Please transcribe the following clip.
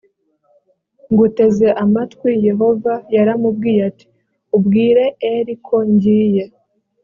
nguteze amatwi yehova yaramubwiye ati ubwire eli ko ngiye